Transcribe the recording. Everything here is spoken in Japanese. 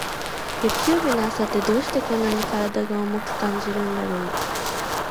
月曜日の朝って、どうしてこんなに体が重く感じるんだろう。